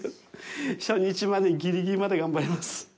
初日まで、ぎりぎりまで頑張ります！